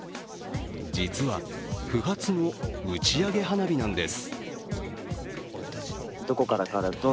実は不発の打ち上げ花火なんです。